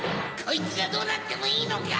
イツがどうなってもいいのか！